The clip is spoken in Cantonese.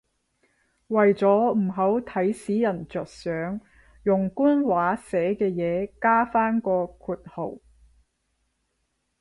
為咗唔好睇死人着想，用官話寫嘅嘢加返個括號